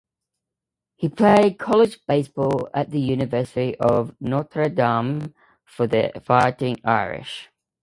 He played college baseball at the University of Notre Dame for the Fighting Irish.